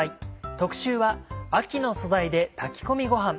特集は「秋の素材で炊き込みごはん」。